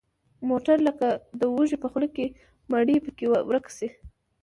موټر لکه د وږي په خوله کې مړۍ پکې ورک شو.